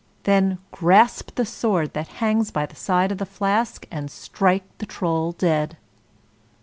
Then grasp the sword that hangs by the side of the flask and strike the Troll dead."